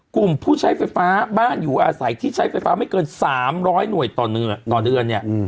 กลุ่มผู้ใช้ไฟฟ้าบ้านอยู่อาศัยที่ใช้ไฟฟ้าไม่เกิน๓๐๐หน่วยต่อเดือนเนี่ย